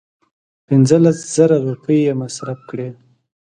پنځه لس زره روپۍ یې مصرف کړې.